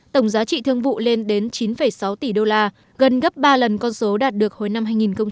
tổng giá trị thương vụ lên đến chín sáu tỷ đô la gần gấp ba lần con số đạt được hồi năm hai nghìn một mươi